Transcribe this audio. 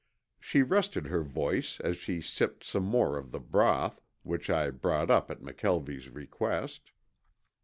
She rested her voice as she sipped some more of the broth, which I brought up at McKelvie's request.